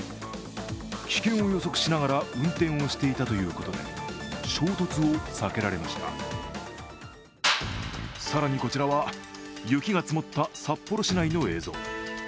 危険を予測しながら運転をしていたということで、更に、こちらは雪が積もった札幌市内の映像。